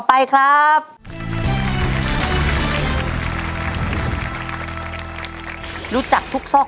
ใช่นักร้องบ้านนอก